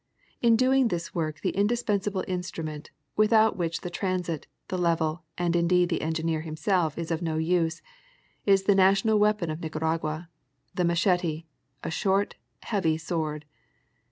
In doing this work the indispensable instrument, without which the transit, the level, and indeed the engineer himself is of no use, is the national weapon of Nicaragua, the mach'ete, a short, heavy sword.